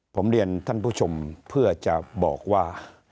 ผมเรียนท่านผู้ชมเพื่อจะบอกว่า